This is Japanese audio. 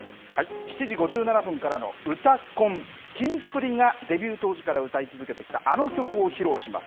７時５７分からのうたコン、キンプリがデビュー当時から歌い続けてきたあの曲を披露します。